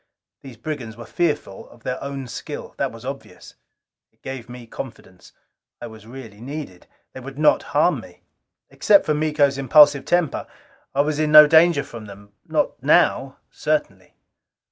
These brigands were fearful of their own skill. That was obvious. It gave me confidence. I was really needed. They would not harm me. Except for Miko's impulsive temper, I was in no danger from them not now, certainly.